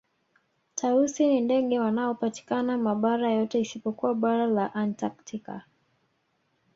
Tausi ni ndege wanaopatikana mabara yote isipokuwa bara la antaktika